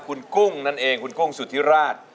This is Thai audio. คุณกุ้งนั่นเองคุณกุ้งสุธิราช